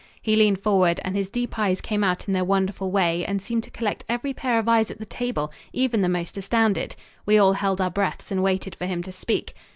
He leaned forward, and his deep eyes came out in their wonderful way and seemed to collect every pair of eyes at the table, even the most astounded. We all held our breaths and waited for him to speak.